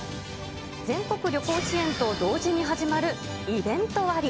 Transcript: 全国旅行支援と同時に始まるイベント割。